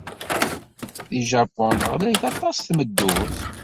Deg Japun, ɣlayet aṭas tmeddurt.